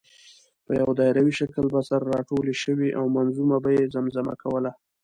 په یو دایروي شکل به سره راټولې شوې او منظومه به یې زمزمه کوله.